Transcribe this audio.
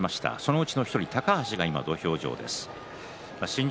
そのうちの１人高橋が今土俵です。